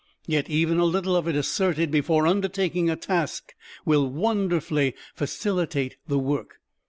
Yet even a little of it asserted before undertaking a task will wonderfully facilitate the work.